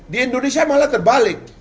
di indonesia malah terbalik